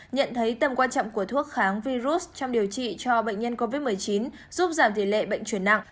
nhận thấy tầm quan trọng của thuốc kháng virus trong điều trị cho bệnh nhân covid một mươi chín giúp giảm tỷ lệ bệnh chuyển nặng